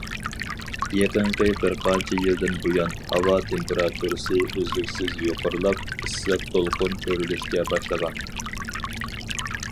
يېقىنقى بىر قانچە يىلدىن بۇيان، ھاۋا تېمپېراتۇرىسى ئۈزلۈكسىز يۇقىرىلاپ، ئىسسىق دولقۇن كۆرۈلۈشكە باشلىغان.